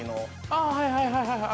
◆あはいはい、はいはい。